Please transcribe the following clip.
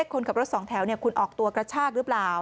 คนขับรถสองแถวคุณออกตัวกระชากหรือเปล่า